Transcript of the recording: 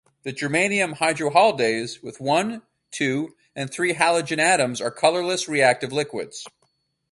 The germanium hydrohalides with one, two and three halogen atoms are colorless reactive liquids.